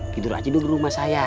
tidur aja dulu rumah saya